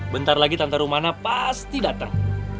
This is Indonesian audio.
bentar lagi tanpa rumana pasti datang